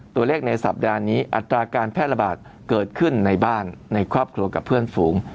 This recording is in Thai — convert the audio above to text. ในสัปดาห์นี้อัตราการแพร่ระบาดเกิดขึ้นในบ้านในครอบครัวกับเพื่อนฝูง